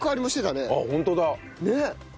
ねっ！